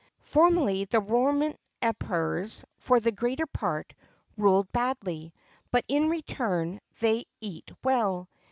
[XXIV 18] Formerly the Roman Emperors, for the greater part, ruled badly; but, in return, they eat well.